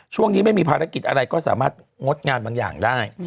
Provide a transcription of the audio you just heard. ช่วงนี้ไม่มีภารกิจอะไรก็สามารถงดงานบางอย่างได้